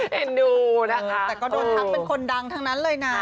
เอ็นดูนะคะแต่ก็โดนทักเป็นคนดังทั้งนั้นเลยนะ